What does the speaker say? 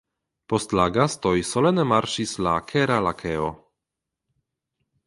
Post la gastoj solene marŝis la Kera Lakeo.